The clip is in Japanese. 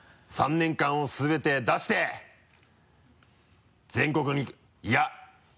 「３年間を全て出して全国にいや。